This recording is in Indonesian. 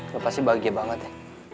gue pasti bahagia banget ya